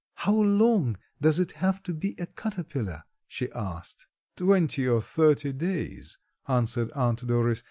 "How long does it have to be a caterpillar?" she asked. "Twenty or thirty days," answered Aunt Doris.